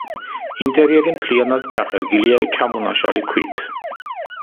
ინტერიერი მთლიანად ჩახერგილია ჩამონაშალი ქვით.